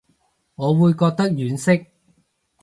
我會覺得婉惜